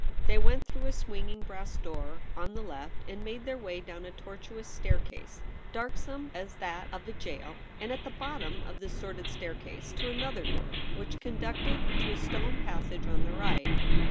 They went through a swinging brass door on the left and made their way down a tortuous staircase, darksome as that of a gaol ; and at the bottom of this sordid staircase to another door, which conducted to a stone passage on the right.